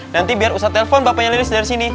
nanti biar ustadz telpon bapaknya lilis dari sini